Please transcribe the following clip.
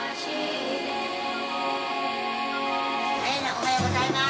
おはようございます。